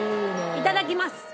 いただきます！